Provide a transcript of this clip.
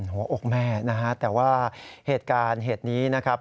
หัวอกแม่นะฮะแต่ว่าเหตุการณ์เหตุนี้นะครับ